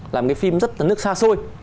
là một cái phim rất là nước xa xôi